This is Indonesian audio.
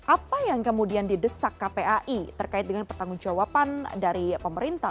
apa yang kemudian didesak kpai terkait dengan pertanggung jawaban dari pemerintah